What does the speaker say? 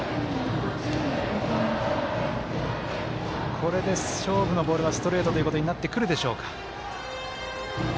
これで勝負のボールはストレートということになってくるでしょうか。